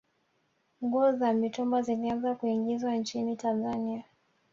nguo za mitumba zilianza kuingizwa nchini tanzania